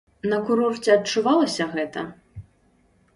На курорце адчувалася гэта?